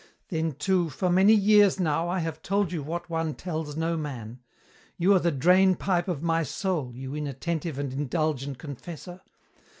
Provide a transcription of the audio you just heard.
"Then too, for many years now, I have told you what one tells no man. You are the drain pipe of my soul, you inattentive and indulgent confessor.